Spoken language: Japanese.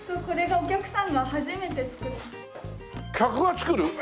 客が作る？